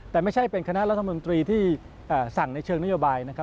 แต่ไม่ใช่เป็นคณะรัฐมนตรีที่สั่งในเชิงนโยบายนะครับ